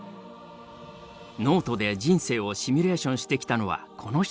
ノートで人生をシミュレーションしてきたのはこの人。